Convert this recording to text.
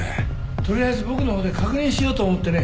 取りあえず僕の方で確認しようと思ってね。